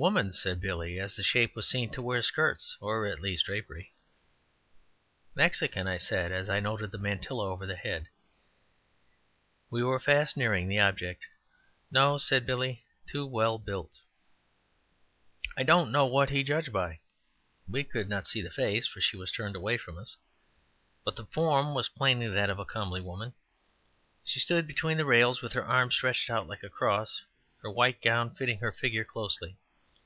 "Woman," said Billy, as the shape was seen to wear skirts, or at least drapery. "Mexican," said I, as I noted the mantilla over the head. We were fast nearing the object. "No," said Billy, "too well built." I don't know what he judged by; we could not see the face, for it was turned away from us; but the form was plainly that of a comely woman. She stood between the rails with her arms stretched out like a cross, her white gown fitting her figure closely.